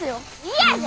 嫌じゃ！